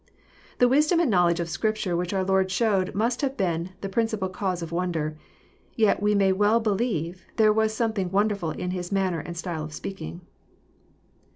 ] The wisdom and knowledge of Scrip ture which our Lord showed must have been the principal cause of wonder. Yet, we may well believe, there was something wonderflil in His manner and style of speaking.